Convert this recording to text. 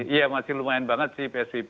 iya masih lumayan banget sih